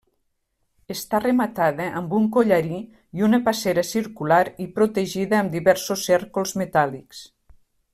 Està rematada amb un collarí i una passera circular i protegida amb diversos cèrcols metàl·lics.